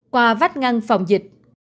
qua vách ngăn phòng dịch